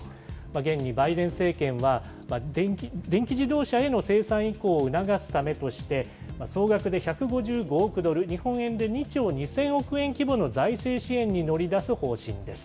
現にバイデン政権は、電気自動車への生産移行を促すためとして、総額で１５５億ドル、日本円で２兆２０００億円規模の財政支援に乗り出す方針です。